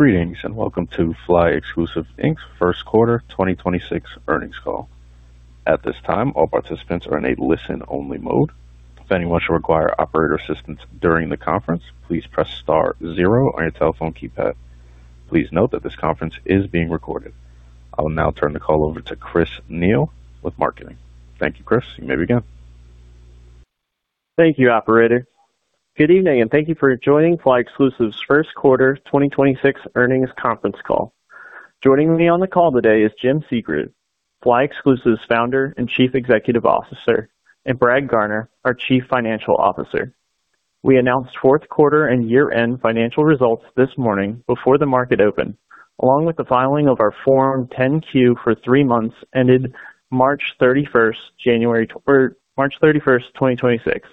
Greetings, and welcome to flyExclusive, Inc.'s first quarter 2026 earnings call. At this time, all participants are in a listen-only mode. If anyone should require operator assistance during the conference, please press star zero on your telephone keypad. Please note that this conference is being recorded. I will now turn the call over to Chris Neal with marketing. Thank you, Chris. You may begin. Thank you, operator. Good evening, and thank you for joining flyExclusive's first quarter 2026 earnings conference call. Joining me on the call today is Jim Segrave, flyExclusive's Founder and Chief Executive Officer, and Brad Garner, our Chief Financial Officer. We announced fourth quarter and year-end financial results this morning before the market opened, along with the filing of our Form 10-Q for three months ended March 31st, January or March 31st, 2026.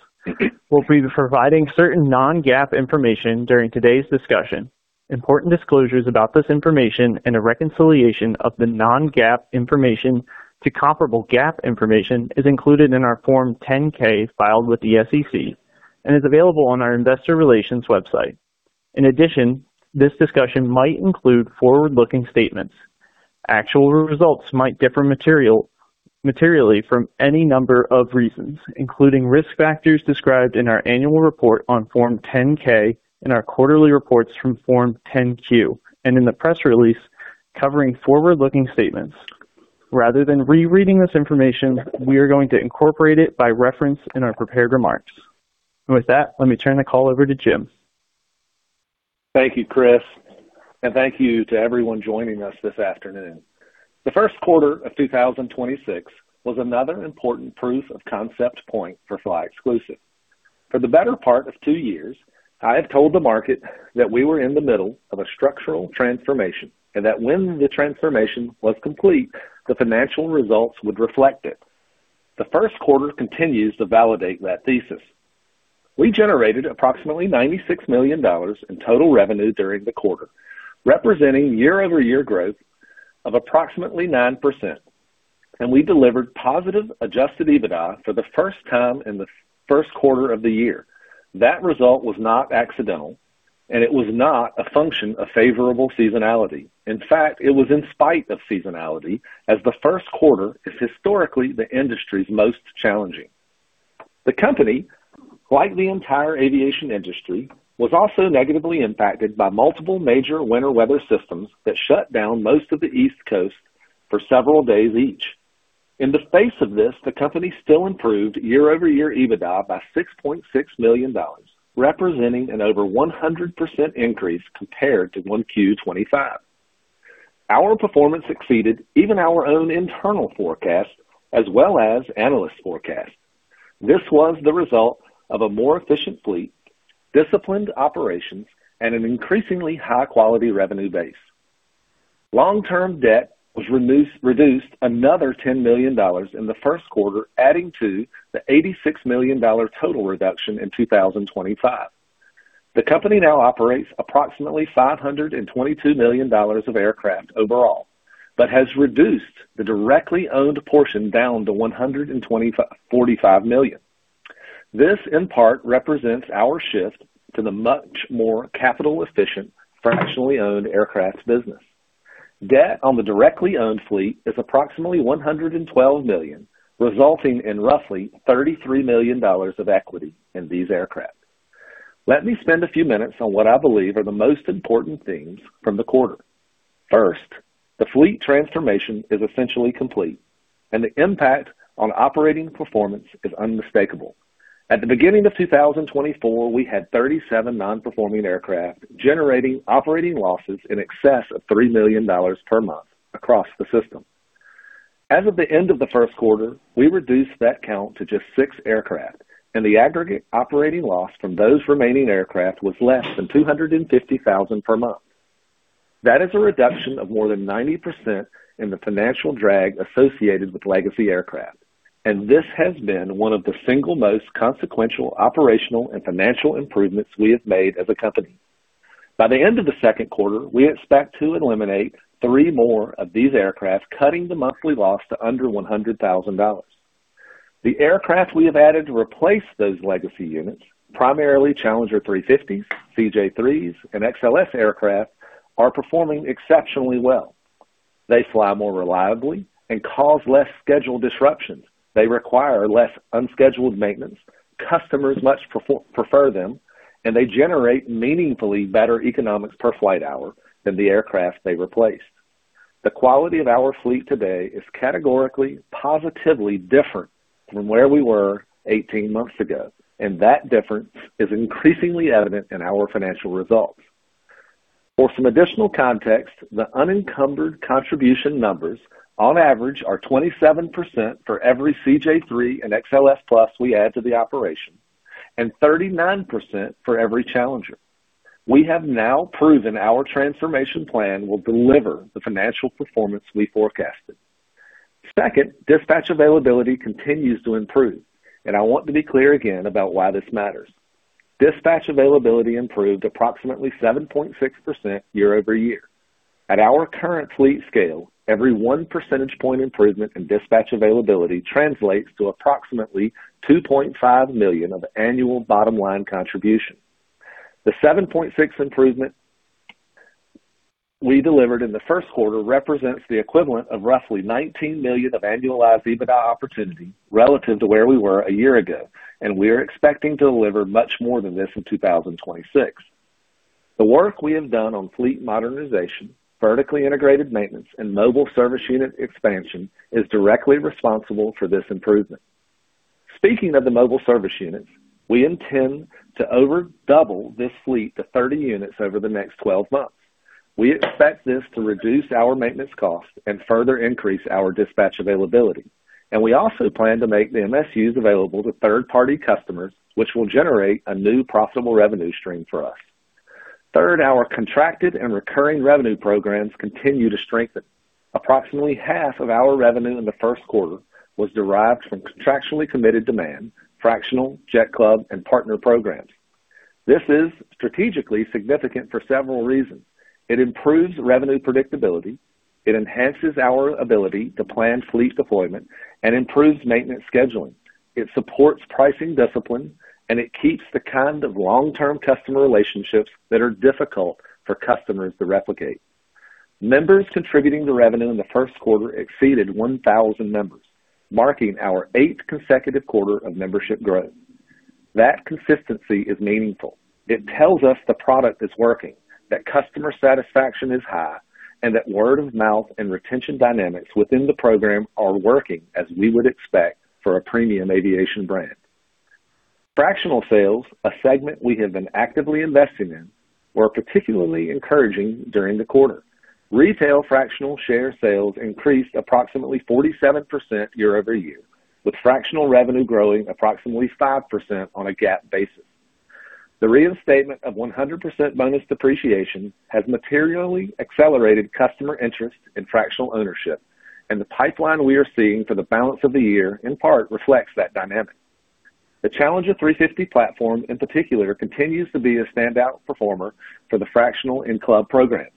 We'll be providing certain non-GAAP information during today's discussion. Important disclosures about this information and a reconciliation of the non-GAAP information to comparable GAAP information is included in our Form 10-K filed with the SEC and is available on our investor relations website. In addition, this discussion might include forward-looking statements. Actual results might differ materially from any number of reasons, including risk factors described in our annual report on Form 10-K, in our quarterly reports from Form 10-Q, and in the press release covering forward-looking statements. Rather than rereading this information, we are going to incorporate it by reference in our prepared remarks. With that, let me turn the call over to Jim Segrave. Thank you, Chris, and thank you to everyone joining us this afternoon. The first quarter of 2026 was another important proof of concept point for flyExclusive. For the better part of two years, I have told the market that we were in the middle of a structural transformation, and that when the transformation was complete, the financial results would reflect it. The first quarter continues to validate that thesis. We generated approximately $96 million in total revenue during the quarter, representing year-over-year growth of approximately 9%. We delivered positive adjusted EBITDA for the first time in the first quarter of the year. That result was not accidental, and it was not a function of favorable seasonality. In fact, it was in spite of seasonality, as the first quarter is historically the industry's most challenging. The company, like the entire aviation industry, was also negatively impacted by multiple major winter weather systems that shut down most of the East Coast for several days each. In the face of this, the company still improved year-over-year EBITDA by $6.6 million, representing an over 100% increase compared to 1Q 2025. Our performance exceeded even our own internal forecast as well as analyst forecasts. This was the result of a more efficient fleet, disciplined operations, and an increasingly high-quality revenue base. Long-term debt was reduced another $10 million in the first quarter, adding to the $86 million total reduction in 2025. The company now operates approximately $522 million of aircraft overall, but has reduced the directly owned portion down to $145 million. This, in part, represents our shift to the much more capital-efficient, fractionally owned aircraft business. Debt on the directly owned fleet is approximately $112 million, resulting in roughly $33 million of equity in these aircraft. Let me spend a few minutes on what I believe are the most important things from the quarter. First, the fleet transformation is essentially complete, and the impact on operating performance is unmistakable. At the beginning of 2024, we had 37 non-performing aircraft generating operating losses in excess of $3 million per month across the system. As of the end of the first quarter, we reduced that count to just six aircraft, and the aggregate operating loss from those remaining aircraft was less than $250,000 per month. That is a reduction of more than 90% in the financial drag associated with legacy aircraft, this has been one of the single most consequential operational and financial improvements we have made as a company. By the end of the second quarter, we expect to eliminate three more of these aircraft, cutting the monthly loss to under $100,000. The aircraft we have added to replace those legacy units, primarily Challenger 350s, CJ3s, and XLS aircraft, are performing exceptionally well. They fly more reliably and cause less schedule disruptions. They require less unscheduled maintenance. Customers much prefer them, they generate meaningfully better economics per flight hour than the aircraft they replaced. The quality of our fleet today is categorically positively different from where we were 18 months ago, that difference is increasingly evident in our financial results. For some additional context, the unencumbered contribution numbers on average are 27% for every CJ3 and XLS Plus we add to the operation, and 39% for every Challenger. We have now proven our transformation plan will deliver the financial performance we forecasted. Second, dispatch availability continues to improve, and I want to be clear again about why this matters. Dispatch availability improved approximately 7.6% year-over-year. At our current fleet scale, every one percentage point improvement in dispatch availability translates to approximately $2.5 million of annual bottom line contribution. The 7.6 improvement we delivered in the first quarter represents the equivalent of roughly $19 million of annualized EBITDA opportunity relative to where we were a year ago, and we are expecting to deliver much more than this in 2026. The work we have done on fleet modernization, vertically integrated maintenance, and Mobile Service Unit expansion is directly responsible for this improvement. Speaking of the Mobile Service Units, we intend to over double this fleet to 30 units over the next 12 months. We expect this to reduce our maintenance costs and further increase our dispatch availability. We also plan to make the MSUs available to third-party customers, which will generate a new profitable revenue stream for us. Third, our contracted and recurring revenue programs continue to strengthen. Approximately half of our revenue in the first quarter was derived from contractually committed demand, fractional, Jet Club, and partner programs. This is strategically significant for several reasons. It improves revenue predictability, it enhances our ability to plan fleet deployment and improves maintenance scheduling. It supports pricing discipline, and it keeps the kind of long-term customer relationships that are difficult for customers to replicate. Members contributing to revenue in the first quarter exceeded 1,000 members, marking our eighth consecutive quarter of membership growth. That consistency is meaningful. It tells us the product is working, that customer satisfaction is high, and that word-of-mouth and retention dynamics within the program are working as we would expect for a premium aviation brand. Fractional sales, a segment we have been actively investing in, were particularly encouraging during the quarter. Retail fractional share sales increased approximately 47% year-over-year, with fractional revenue growing approximately 5% on a GAAP basis. The reinstatement of 100% bonus depreciation has materially accelerated customer interest in fractional ownership, and the pipeline we are seeing for the balance of the year in part reflects that dynamic. The Challenger 350 platform in particular continues to be a standout performer for the fractional and club programs.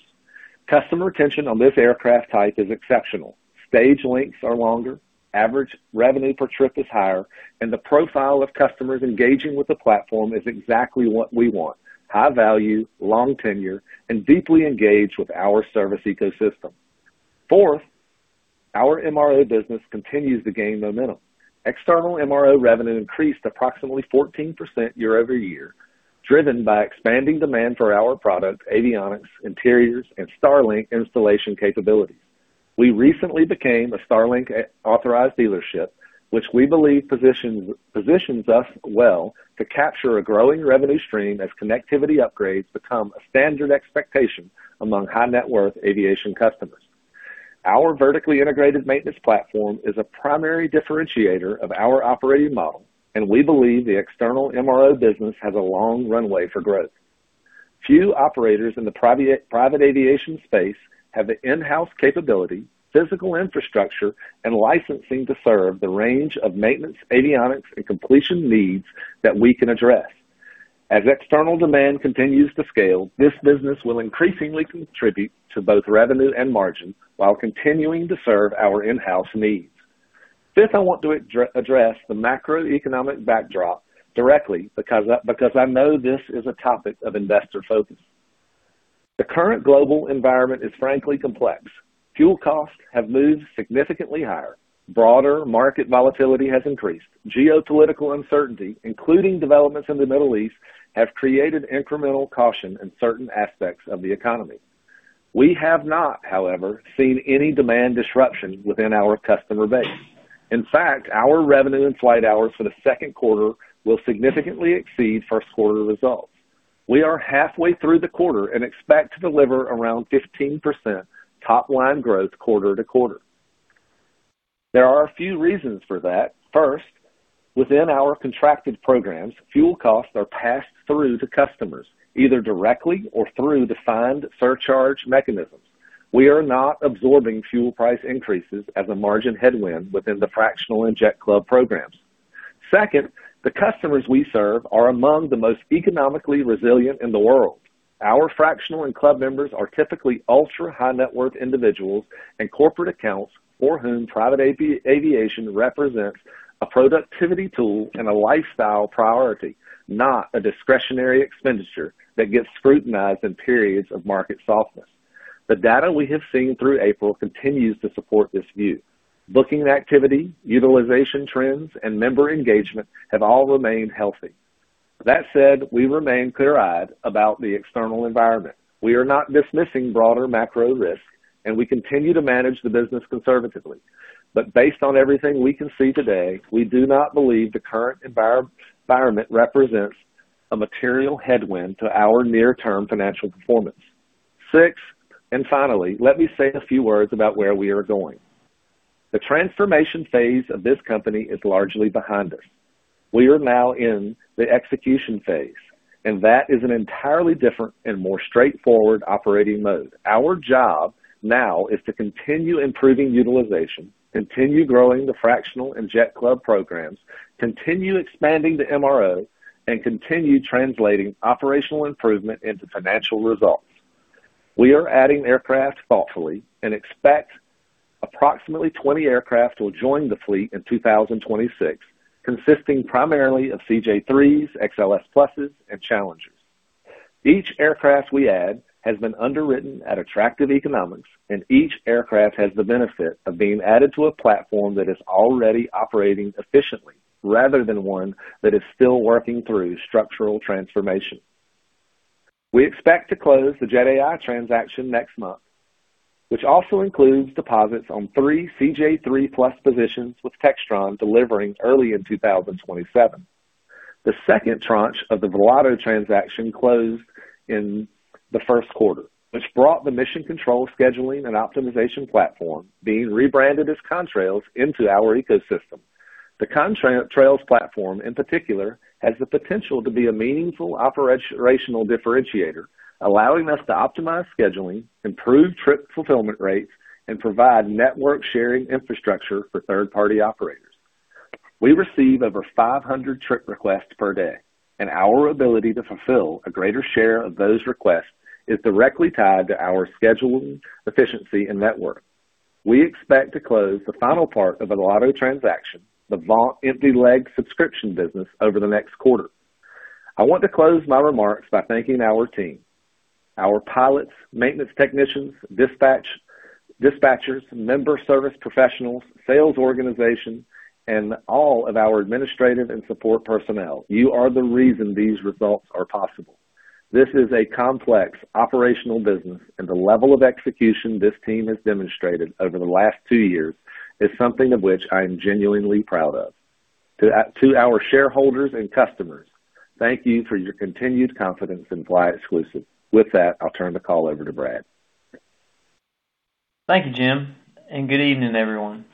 Customer retention on this aircraft type is exceptional. Stage lengths are longer, average revenue per trip is higher, and the profile of customers engaging with the platform is exactly what we want: high value, long tenure, and deeply engaged with our service ecosystem. Fourth, our MRO business continues to gain momentum. External MRO revenue increased approximately 14% year-over-year, driven by expanding demand for our products, avionics, interiors, and Starlink installation capabilities. We recently became a Starlink authorized dealership, which we believe positions us well to capture a growing revenue stream as connectivity upgrades become a standard expectation among high-net-worth aviation customers. Our vertically integrated maintenance platform is a primary differentiator of our operating model, and we believe the external MRO business has a long runway for growth. Few operators in the private aviation space have the in-house capability, physical infrastructure, and licensing to serve the range of maintenance, avionics, and completion needs that we can address. As external demand continues to scale, this business will increasingly contribute to both revenue and margin while continuing to serve our in-house needs. Fifth, I want to address the macroeconomic backdrop directly because I know this is a topic of investor focus. The current global environment is frankly complex. Fuel costs have moved significantly higher. Broader market volatility has increased. Geopolitical uncertainty, including developments in the Middle East, have created incremental caution in certain aspects of the economy. We have not, however, seen any demand disruption within our customer base. In fact, our revenue and flight hours for the second quarter will significantly exceed first quarter results. We are halfway through the quarter and expect to deliver around 15% top-line growth quarter-to-quarter. There are a few reasons for that. First, within our contracted programs, fuel costs are passed through to customers, either directly or through defined surcharge mechanisms. We are not absorbing fuel price increases as a margin headwind within the fractional and Jet Club programs. Second, the customers we serve are among the most economically resilient in the world. Our fractional and club members are typically ultra-high-net-worth individuals and corporate accounts for whom private aviation represents a productivity tool and a lifestyle priority, not a discretionary expenditure that gets scrutinized in periods of market softness. The data we have seen through April continues to support this view. Booking activity, utilization trends, and member engagement have all remained healthy. That said, we remain clear-eyed about the external environment. We are not dismissing broader macro risks, Based on everything we can see today, we do not believe the current environment represents a material headwind to our near-term financial performance. Sixth, finally, let me say a few words about where we are going. The transformation phase of this company is largely behind us. We are now in the execution phase, that is an entirely different and more straightforward operating mode. Our job now is to continue improving utilization, continue growing the fractional and Jet Club programs, continue expanding the MRO, continue translating operational improvement into financial results. We are adding aircraft thoughtfully and expect approximately 20 aircraft will join the fleet in 2026, consisting primarily of CJ3s, XLS Pluses, and Challengers. Each aircraft we add has been underwritten at attractive economics, and each aircraft has the benefit of being added to a platform that is already operating efficiently rather than one that is still working through structural transformation. We expect to close the Jet.AI transaction next month, which also includes deposits on three Citation CJ3+ positions, with Textron delivering early in 2027. The second tranche of the Volato transaction closed in the first quarter, which brought the mission control scheduling and optimization platform, being rebranded as Contrails, into our ecosystem. The Contrails platform, in particular, has the potential to be a meaningful operational differentiator, allowing us to optimize scheduling, improve trip fulfillment rates, and provide network-sharing infrastructure for third-party operators. We receive over 500 trip requests per day, and our ability to fulfill a greater share of those requests is directly tied to our scheduling efficiency and network. We expect to close the final part of the Volato transaction, the empty leg subscription business, over the next quarter. I want to close my remarks by thanking our team, our pilots, maintenance technicians, dispatchers, member service professionals, sales organization, and all of our administrative and support personnel. You are the reason these results are possible. This is a complex operational business, and the level of execution this team has demonstrated over the last two years is something of which I am genuinely proud of. To our shareholders and customers, thank you for your continued confidence in flyExclusive. With that, I'll turn the call over to Brad. Thank you, Jim, and good evening, everyone.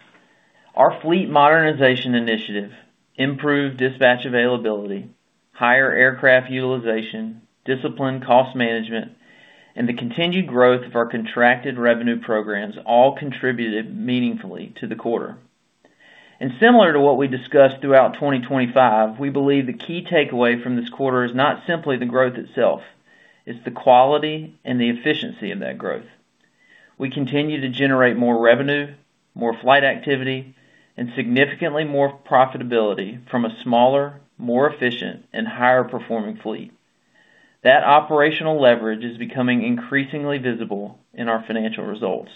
Our fleet modernization initiative, improved dispatch availability, higher aircraft utilization, disciplined cost management, and the continued growth of our contracted revenue programs all contributed meaningfully to the quarter. Similar to what we discussed throughout 2025, we believe the key takeaway from this quarter is not simply the growth itself, it's the quality and the efficiency of that growth. We continue to generate more revenue, more flight activity, and significantly more profitability from a smaller, more efficient, and higher-performing fleet. That operational leverage is becoming increasingly visible in our financial results.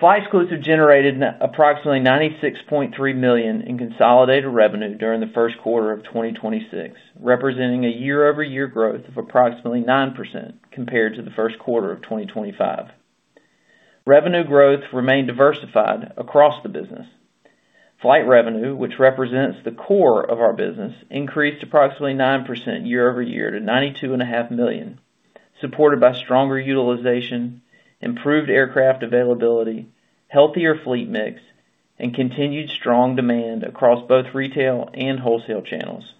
FlyExclusive generated approximately $96.3 million in consolidated revenue during the first quarter of 2026, representing a year-over-year growth of approximately 9% compared to the first quarter of 2025. Revenue growth remained diversified across the business. Flight revenue, which represents the core of our business, increased approximately 9% year-over-year to $92.5 million, supported by stronger utilization, improved aircraft availability, healthier fleet mix, and continued strong demand across both retail and wholesale channels.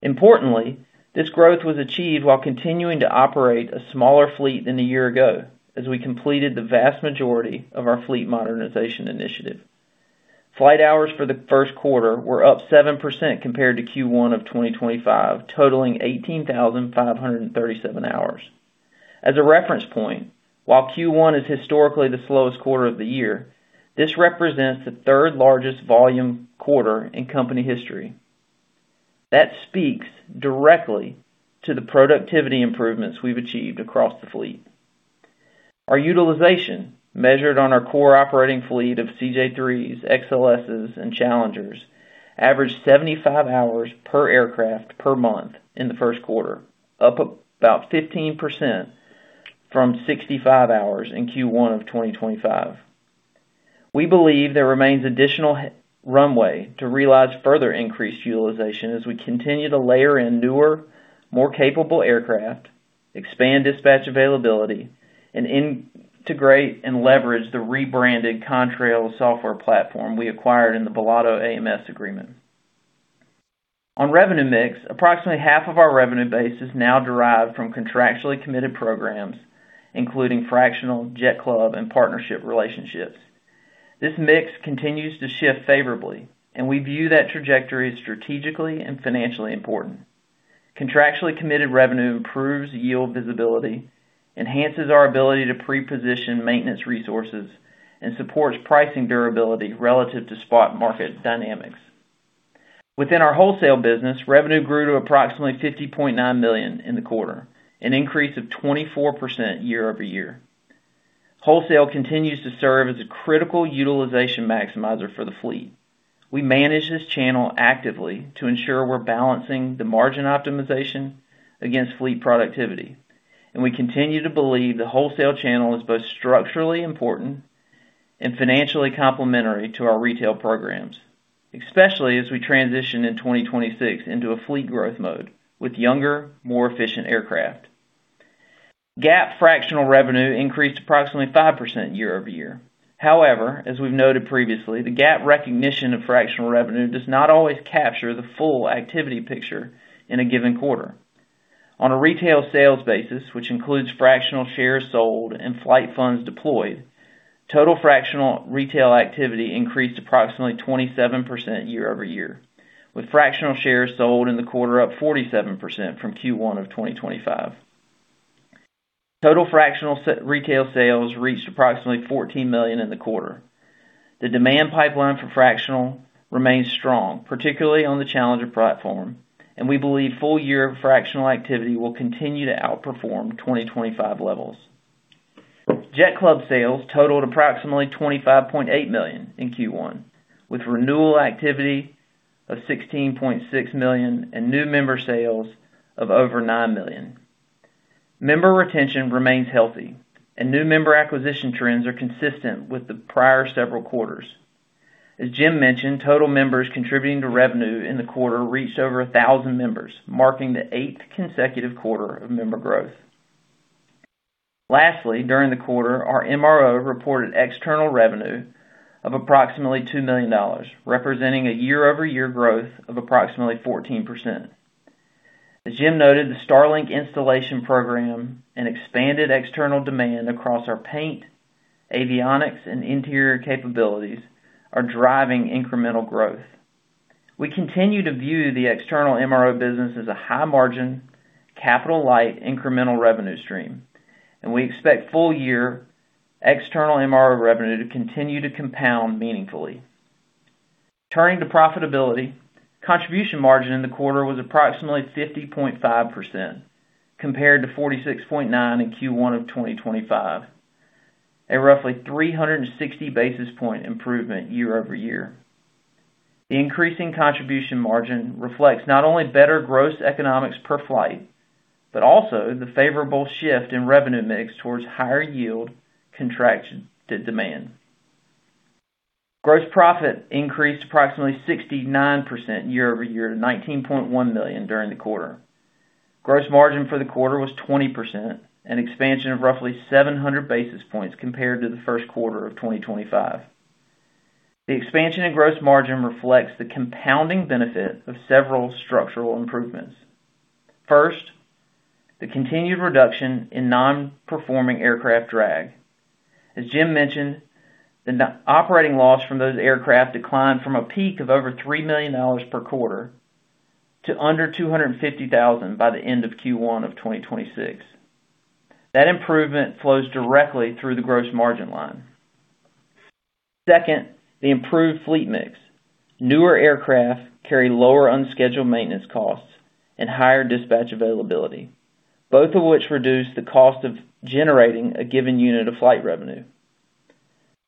Importantly, this growth was achieved while continuing to operate a smaller fleet than a year ago, as we completed the vast majority of our fleet modernization initiative. Flight hours for the first quarter were up 7% compared to Q1 of 2025, totaling 18,537 hours. As a reference point, while Q1 is historically the slowest quarter of the year, this represents the third-largest volume quarter in company history. That speaks directly to the productivity improvements we've achieved across the fleet. Our utilization, measured on our core operating fleet of CJ3s, XLSs, and Challengers, averaged 75 hours per aircraft per month in the first quarter, up about 15% from 65 hours in Q1 of 2025. We believe there remains additional runway to realize further increased utilization as we continue to layer in newer, more capable aircraft, expand dispatch availability, and integrate and leverage the rebranded Contrails software platform we acquired in the Volato AMS agreement. On revenue mix, approximately half of our revenue base is now derived from contractually committed programs, including fractional, Jet Club, and partnership relationships. This mix continues to shift favorably, and we view that trajectory as strategically and financially important. Contractually committed revenue improves yield visibility, enhances our ability to pre-position maintenance resources, and supports pricing durability relative to spot market dynamics. Within our wholesale business, revenue grew to approximately $50.9 million in the quarter, an increase of 24% year-over-year. Wholesale continues to serve as a critical utilization maximizer for the fleet. We manage this channel actively to ensure we're balancing the margin optimization against fleet productivity, and we continue to believe the wholesale channel is both structurally important and financially complementary to our retail programs, especially as we transition in 2026 into a fleet growth mode with younger, more efficient aircraft. GAAP fractional revenue increased approximately 5% year-over-year. However, as we've noted previously, the GAAP recognition of fractional revenue does not always capture the full activity picture in a given quarter. On a retail sales basis, which includes fractional shares sold and flight funds deployed, total fractional retail activity increased approximately 27% year-over-year, with fractional shares sold in the quarter up 47% from Q1 of 2025. Total fractional retail sales reached approximately $14 million in the quarter. The demand pipeline for fractional remains strong, particularly on the Challenger platform, and we believe full-year fractional activity will continue to outperform 2025 levels. Jet Club sales totaled approximately $25.8 million in Q1, with renewal activity of $16.6 million and new member sales of over $9 million. Member retention remains healthy and new member acquisition trends are consistent with the prior several quarters. As Jim mentioned, total members contributing to revenue in the quarter reached over 1,000 members, marking the eighth consecutive quarter of member growth. Lastly, during the quarter, our MRO reported external revenue of approximately $2 million, representing a year-over-year growth of approximately 14%. As Jim noted, the Starlink installation program and expanded external demand across our paint, avionics, and interior capabilities are driving incremental growth. We continue to view the external MRO business as a high-margin, capital-light, incremental revenue stream, and we expect full-year external MRO revenue to continue to compound meaningfully. Turning to profitability, contribution margin in the quarter was approximately 50.5% compared to 46.9% in Q1 of 2025, a roughly 360 basis point improvement year-over-year. The increasing contribution margin reflects not only better gross economics per flight, but also the favorable shift in revenue mix towards higher yield contracted demand. Gross profit increased approximately 69% year-over-year to $19.1 million during the quarter. Gross margin for the quarter was 20%, an expansion of roughly 700 basis points compared to the first quarter of 2025. The expansion in gross margin reflects the compounding benefit of several structural improvements. First, the continued reduction in non-performing aircraft drag. As Jim mentioned, the operating loss from those aircraft declined from a peak of over $3 million per quarter to under $250,000 by the end of Q1 of 2026. That improvement flows directly through the gross margin line. Second, the improved fleet mix. Newer aircraft carry lower unscheduled maintenance costs and higher dispatch availability, both of which reduce the cost of generating a given unit of flight revenue.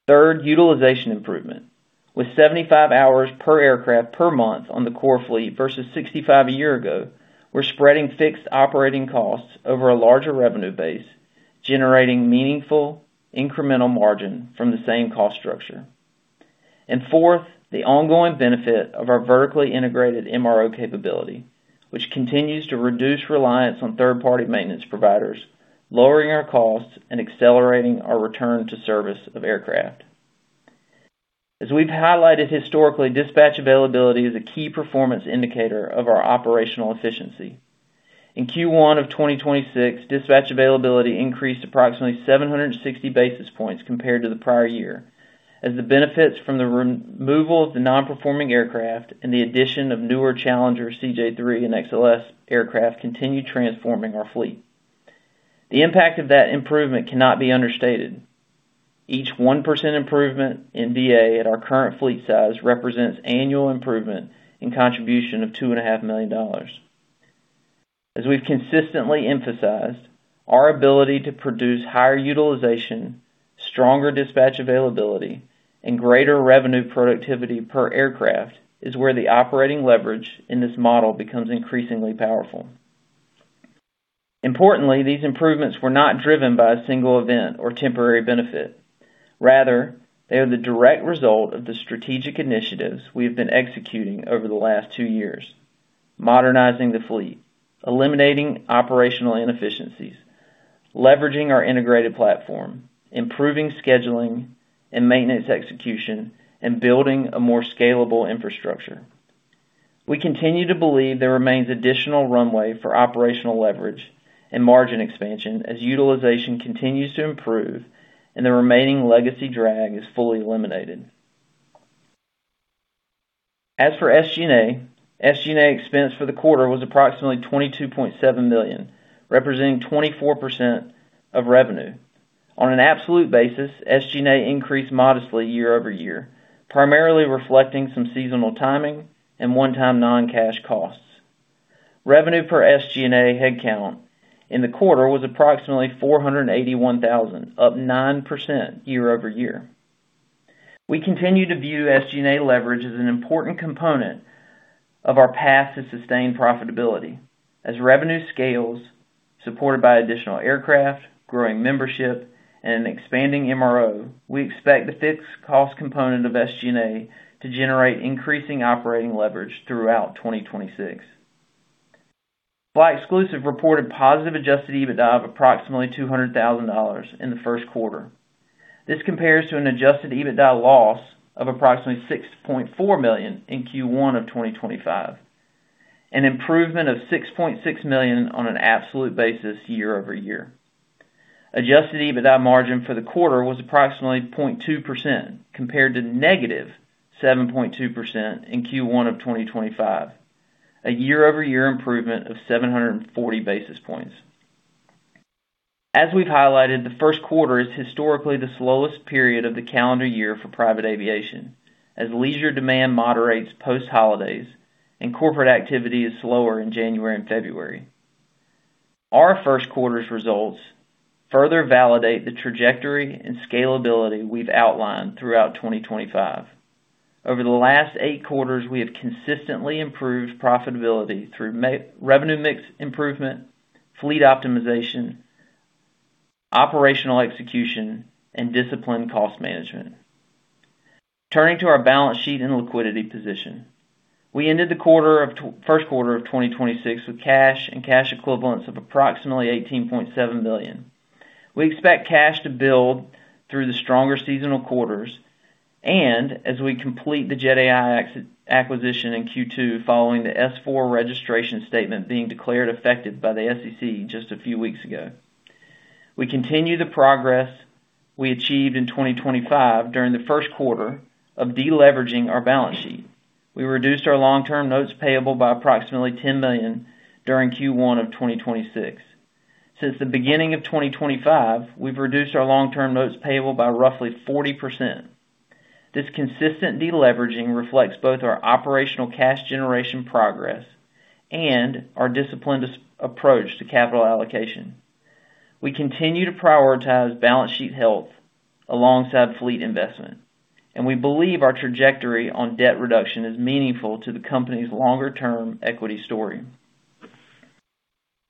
Third, utilization improvement. With 75 hours per aircraft per month on the core fleet versus 65 a year ago, we're spreading fixed operating costs over a larger revenue base, generating meaningful incremental margin from the same cost structure. Fourth, the ongoing benefit of our vertically integrated MRO capability, which continues to reduce reliance on third-party maintenance providers, lowering our costs and accelerating our return to service of aircraft. As we've highlighted historically, dispatch availability is a key performance indicator of our operational efficiency. In Q1 of 2026, dispatch availability increased approximately 760 basis points compared to the prior year as the benefits from the removal of the non-performing aircraft and the addition of newer Challenger CJ3 and XLS aircraft continue transforming our fleet. The impact of that improvement cannot be understated. Each 1% improvement in DA at our current fleet size represents annual improvement in contribution of $2.5 Million. As we've consistently emphasized, our ability to produce higher utilization, stronger dispatch availability, and greater revenue productivity per aircraft is where the operating leverage in this model becomes increasingly powerful. Importantly, these improvements were not driven by a single event or temporary benefit. Rather, they are the direct result of the strategic initiatives we have been executing over the last two years: modernizing the fleet, eliminating operational inefficiencies, leveraging our integrated platform, improving scheduling and maintenance execution, and building a more scalable infrastructure. We continue to believe there remains additional runway for operational leverage and margin expansion as utilization continues to improve and the remaining legacy drag is fully eliminated. SG&A expense for the quarter was approximately $22.7 million, representing 24% of revenue. On an absolute basis, SG&A increased modestly year-over-year, primarily reflecting some seasonal timing and one-time non-cash costs. Revenue per SG&A headcount in the quarter was approximately $481,000, up 9% year-over-year. We continue to view SG&A leverage as an important component of our path to sustained profitability. As revenue scales supported by additional aircraft, growing membership, and an expanding MRO, we expect the fixed cost component of SG&A to generate increasing operating leverage throughout 2026. flyExclusive reported positive adjusted EBITDA of approximately $200,000 in the first quarter. This compares to an adjusted EBITDA loss of approximately $6.4 million in Q1 of 2025, an improvement of $6.6 million on an absolute basis year-over-year. Adjusted EBITDA margin for the quarter was approximately 0.2% compared to -7.2% in Q1 of 2025, a year-over-year improvement of 740 basis points. As we've highlighted, the first quarter is historically the slowest period of the calendar year for private aviation, as leisure demand moderates post holidays and corporate activity is slower in January and February. Our first quarter's results further validate the trajectory and scalability we've outlined throughout 2025. Over the last eight quarters, we have consistently improved profitability through revenue mix improvement, fleet optimization, operational execution, and disciplined cost management. Turning to our balance sheet and liquidity position. We ended the first quarter of 2026 with cash and cash equivalents of approximately $18.7 billion. We expect cash to build through the stronger seasonal quarters and as we complete the Jet.AI acquisition in Q2 following the S-4 registration statement being declared effective by the SEC just a few weeks ago. We continue the progress we achieved in 2025 during the first quarter of deleveraging our balance sheet. We reduced our long-term notes payable by approximately $10 million during Q1 of 2026. Since the beginning of 2025, we've reduced our long-term notes payable by roughly 40%. This consistent deleveraging reflects both our operational cash generation progress and our disciplined approach to capital allocation. We continue to prioritize balance sheet health alongside fleet investment, and we believe our trajectory on debt reduction is meaningful to the company's longer-term equity story.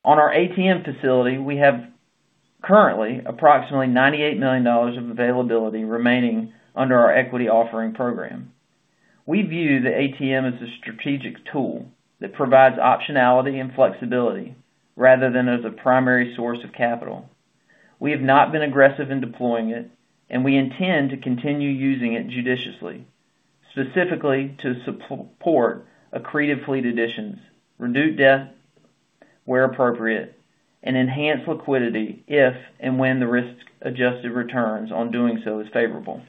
On our ATM facility, we have currently approximately $98 million of availability remaining under our equity offering program. We view the ATM as a strategic tool that provides optionality and flexibility rather than as a primary source of capital. We have not been aggressive in deploying it, and we intend to continue using it judiciously, specifically to support accretive fleet additions, reduce debt where appropriate, and enhance liquidity if and when the risk-adjusted returns on doing so is favorable.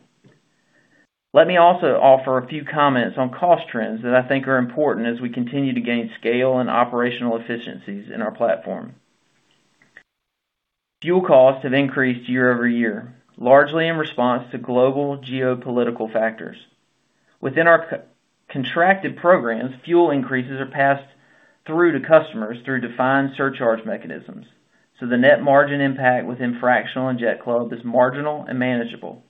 Let me also offer a few comments on cost trends that I think are important as we continue to gain scale and operational efficiencies in our platform. Fuel costs have increased year-over-year, largely in response to global geopolitical factors. Within our co-contracted programs, fuel increases are passed through to customers through defined surcharge mechanisms, so the net margin impact within fractional and Jet Club is marginal and manageable.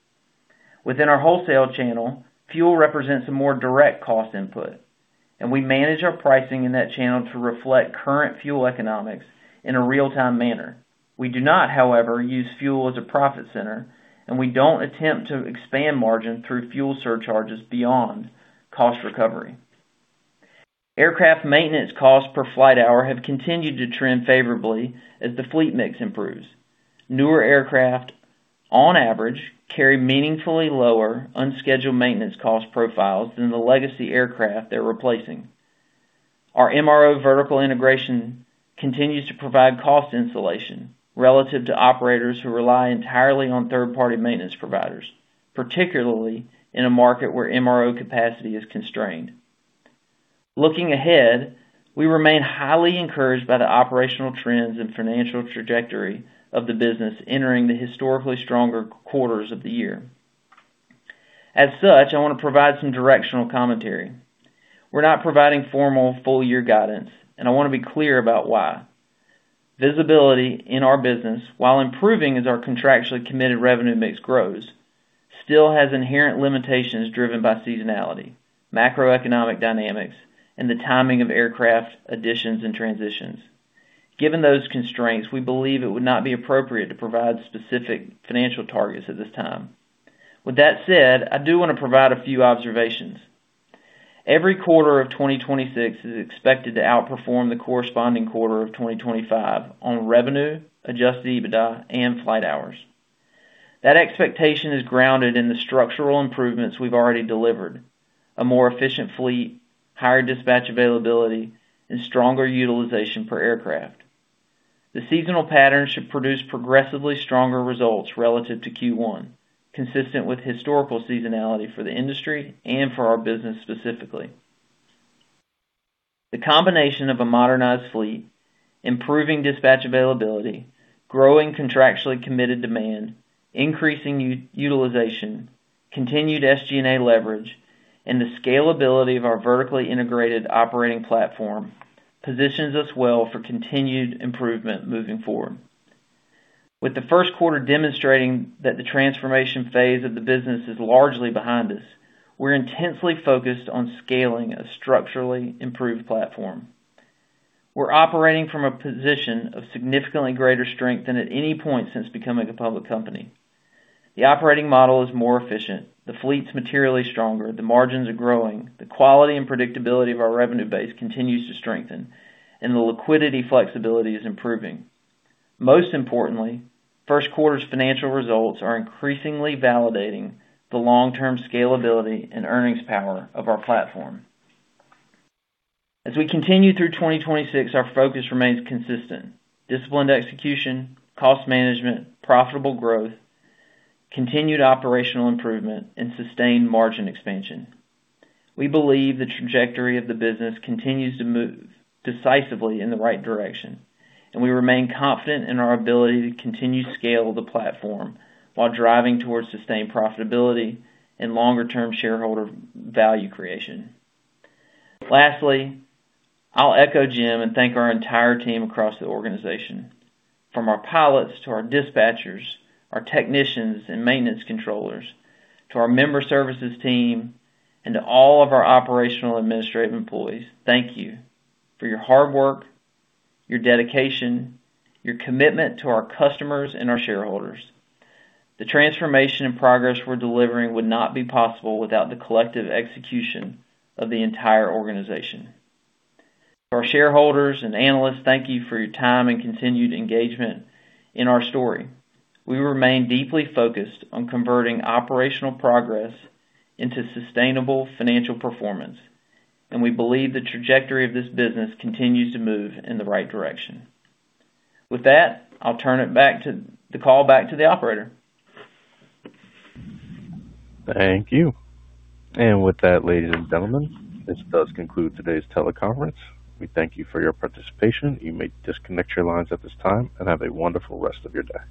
Within our wholesale channel, fuel represents a more direct cost input, and we manage our pricing in that channel to reflect current fuel economics in a real-time manner. We do not, however, use fuel as a profit center, and we don't attempt to expand margin through fuel surcharges beyond cost recovery. Aircraft maintenance costs per flight hour have continued to trend favorably as the fleet mix improves. Newer aircraft, on average, carry meaningfully lower unscheduled maintenance cost profiles than the legacy aircraft they're replacing. Our MRO vertical integration continues to provide cost insulation relative to operators who rely entirely on third-party maintenance providers, particularly in a market where MRO capacity is constrained. Looking ahead, we remain highly encouraged by the operational trends and financial trajectory of the business entering the historically stronger quarters of the year. As such, I want to provide some directional commentary. We're not providing formal full-year guidance, and I want to be clear about why. Visibility in our business, while improving as our contractually committed revenue mix grows, still has inherent limitations driven by seasonality, macroeconomic dynamics, and the timing of aircraft additions and transitions. Given those constraints, we believe it would not be appropriate to provide specific financial targets at this time. With that said, I do want to provide a few observations. Every quarter of 2026 is expected to outperform the corresponding quarter of 2025 on revenue, adjusted EBITDA, and flight hours. That expectation is grounded in the structural improvements we've already delivered: a more efficient fleet, higher dispatch availability, and stronger utilization per aircraft. The seasonal pattern should produce progressively stronger results relative to Q1, consistent with historical seasonality for the industry and for our business specifically. The combination of a modernized fleet, improving dispatch availability, growing contractually committed demand, increasing utilization, continued SG&A leverage, and the scalability of our vertically integrated operating platform positions us well for continued improvement moving forward. With the first quarter demonstrating that the transformation phase of the business is largely behind us, we're intensely focused on scaling a structurally improved platform. We're operating from a position of significantly greater strength than at any point since becoming a public company. The operating model is more efficient, the fleet's materially stronger, the margins are growing, the quality and predictability of our revenue base continues to strengthen, and the liquidity flexibility is improving. Most importantly, first quarter's financial results are increasingly validating the long-term scalability and earnings power of our platform. As we continue through 2026, our focus remains consistent: disciplined execution, cost management, profitable growth, continued operational improvement, and sustained margin expansion. We believe the trajectory of the business continues to move decisively in the right direction, and we remain confident in our ability to continue to scale the platform while driving towards sustained profitability and longer-term shareholder value creation. Lastly, I'll echo Jim and thank our entire team across the organization. From our pilots to our dispatchers, our technicians and maintenance controllers, to our member services team, to all of our operational administrative employees, thank you for your hard work, your dedication, your commitment to our customers and our shareholders. The transformation and progress we're delivering would not be possible without the collective execution of the entire organization. For our shareholders and analysts, thank you for your time and continued engagement in our story. We remain deeply focused on converting operational progress into sustainable financial performance, and we believe the trajectory of this business continues to move in the right direction. With that, I'll turn the call back to the operator. Thank you. With that, ladies and gentlemen, this does conclude today's teleconference. We thank you for your participation. You may disconnect your lines at this time, and have a wonderful rest of your day.